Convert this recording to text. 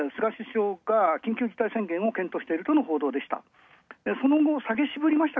緊急事態宣言を検討しているとの報道でした。